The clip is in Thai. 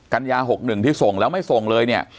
กัญญา๖๑ที่ส่งแล้วไม่ส่งเลยเนี่ย